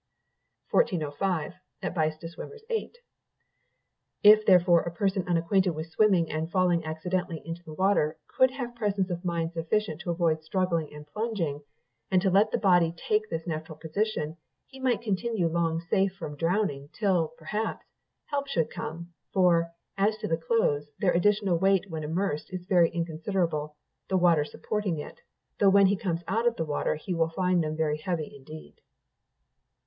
1405. continued... "If therefore a person unacquainted with swimming and falling accidentally into the water, could have presence of mind sufficient to avoid struggling and plunging, and to let the body take this natural position, he might continue long safe from drowning, till, perhaps, help should come; for, as to the clothes, their additional weight when immersed is very inconsiderable, the water supporting it; though when he comes out of the water, he will find them very heavy indeed.